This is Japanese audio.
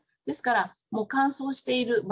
ですから乾燥している。